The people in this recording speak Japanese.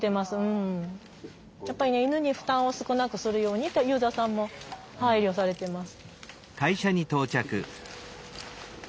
やっぱり犬に負担を少なくするようにとユーザーさんも配慮されてます。